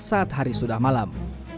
saat hari sudah malam